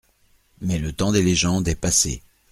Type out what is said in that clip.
Mais le temps des légendes est passé.